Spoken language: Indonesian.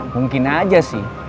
mungkin aja sih